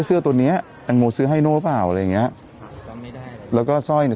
เสื้อตัวเนี้ยแตงโมซื้อให้โน่เปล่าอะไรอย่างเงี้ยแล้วก็สร้อยเนี้ย